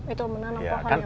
itu menanam pohon ya pak